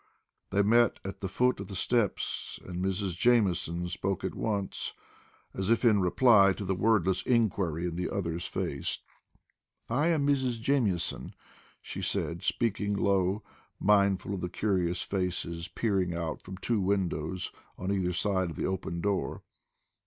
They met at the foot of the steps, and Mrs. Jamieson spoke at once, as if in reply, to the wordless inquiry in the other's face. "I am Mrs. Jamieson," she said, speaking low, mindful of the curious faces peering out from two windows, on either side of the open door.